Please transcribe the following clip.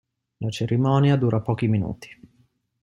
La cerimonia dura pochi minuti.